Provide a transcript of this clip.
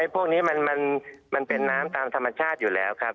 พวกนี้มันเป็นน้ำตามธรรมชาติอยู่แล้วครับ